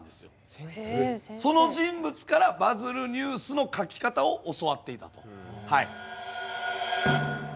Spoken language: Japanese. その人物からバズるニュースの書き方を教わっていたと。